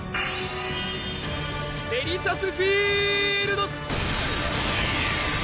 デリシャスフィールド！